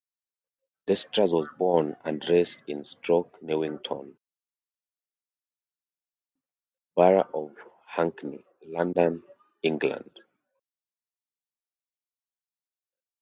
Dextrous was born and raised in Stoke Newington, London Borough of Hackney, London, England.